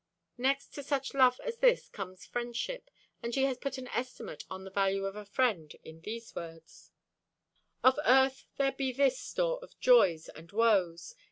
Next to such love as this comes friendship, and she has put an estimate of the value of a friend in these words: Of Earth there be this store of joys and woes.